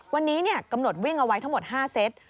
วันนี้กำหนดวิ่งเอาไว้ทั้งหมด๕เซต